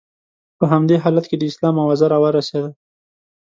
په همدې حالت کې د اسلام اوازه را ورسېده.